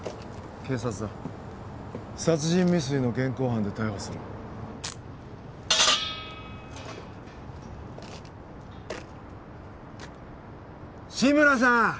警察だ殺人未遂の現行犯で逮捕する志村さん！